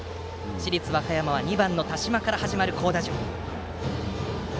市立和歌山は２番の田嶋から始まる好打順。